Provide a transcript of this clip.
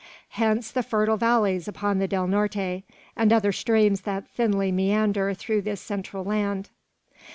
Hence the fertile valleys upon the Del Norte, and other streams that thinly meander through this central land.